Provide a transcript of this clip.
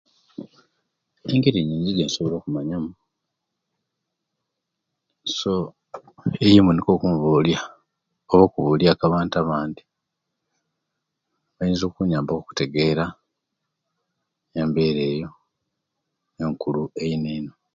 Engeri nyingi ejensobola okumanyamu so eyimu niyo okubulia okubuliaku abantu abandi bayinza okunyamba ku okutegera embeera eyo enkulu eino eino